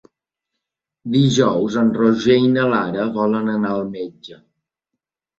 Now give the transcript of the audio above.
Dijous en Roger i na Lara volen anar al metge.